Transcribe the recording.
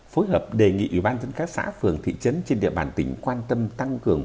phối hợp đề nghị ủy ban dân các xã phường thị trấn trên địa bàn tỉnh quan tâm tăng cường